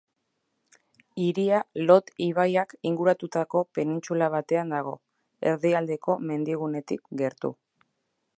Hiria Lot ibaiak inguratutako penintsula batean dago, Erdialdeko Mendigunetik gertu.